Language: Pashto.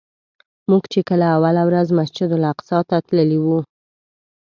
موږ چې کله اوله ورځ مسجدالاقصی ته تللي وو.